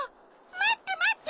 まってまって！